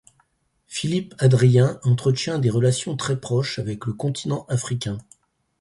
Philippe Adrien entretient des relations très proches avec le continent africain.